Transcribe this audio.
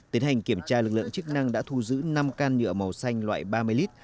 tiến hành kiểm tra lực lượng chức năng đã thu giữ năm can nhựa màu xanh loại ba mươi lít